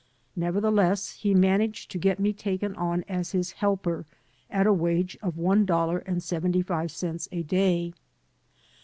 Nevertheless, he managed to get me taken on as his helper at a wage of one dollar and seventy five cents a day.